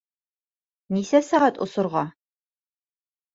Нисә сәғәт осорға?